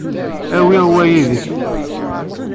Awi wa yid-k.